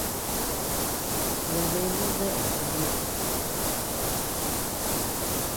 Gua deanu dea jiñeʼes.